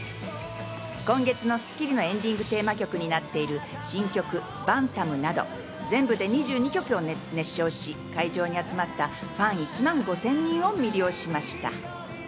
今月の『スッキリ』のエンディングテーマ曲になっている新曲『ＢＡＮＴＡＭ』など、全部で２２曲を熱唱し、会場に集まったファン１万５０００人を魅了しました。